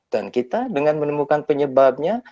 dan kita dengan menemukan penyebabnya